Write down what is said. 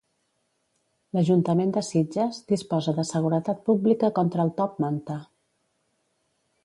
L'Ajuntament de Sitges disposa de seguretat pública contra el 'top manta'.